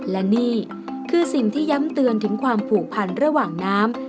และนี่คือสิ่งที่ย้ำเตือนถึงความผูกพันระหว่างน้ำ